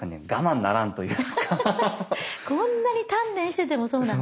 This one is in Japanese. こんなに鍛錬しててもそうなんだ。